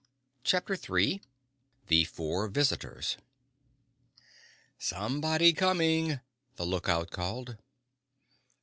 CHAPTER III The Four Visitors "Somebody coming!" the lookout called.